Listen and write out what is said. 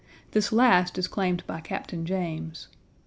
This last is claimed by Captain James.